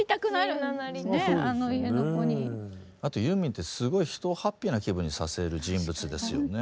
あとユーミンってすごい人をハッピーな気分にさせる人物ですよね